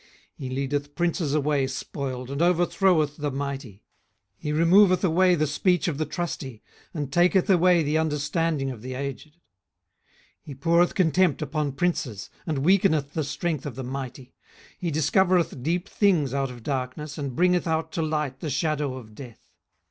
18:012:019 He leadeth princes away spoiled, and overthroweth the mighty. 18:012:020 He removeth away the speech of the trusty, and taketh away the understanding of the aged. 18:012:021 He poureth contempt upon princes, and weakeneth the strength of the mighty. 18:012:022 He discovereth deep things out of darkness, and bringeth out to light the shadow of death.